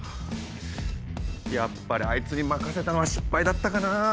やっぱりあいつに任せたのは失敗だったかなぁ。